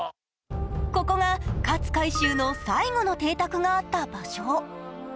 ここが勝海舟の最後の邸宅があった場所。